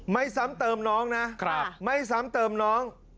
ซ้ำเติมน้องนะไม่ซ้ำเติมน้อง